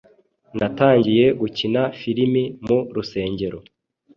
Natangiye gukina filimi mu rusengero